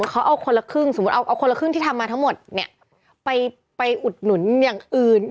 เขาเอาคนละครึ่งสมมุติเอาคนละครึ่งที่ทำมาทั้งหมดเนี่ยไปอุดหนุนอย่างอื่น